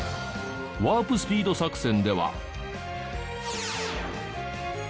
ワープスピード作戦では。